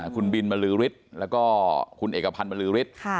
คุณบินมะลือริดแล้วก็คุณเอกพันธ์มะลือริด